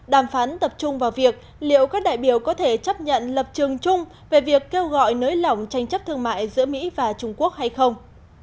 đàm phán tập trung vào việc liệu các đại biểu có thể chấp nhận lập trường chung về việc kêu gọi nới lỏng tranh chấp thương mại giữa mỹ và trung quốc hay không